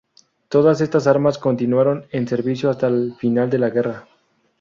Todas estas armas continuaron en servicio hasta el final de la guerra.